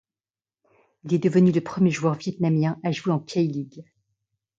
Il est devenu le premier joueur vietnamien à jouer en K League.